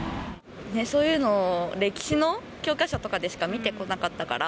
そういうの歴史の教科書とかでしか見てこなかったから。